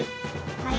はい。